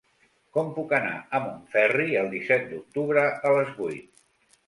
Com puc anar a Montferri el disset d'octubre a les vuit?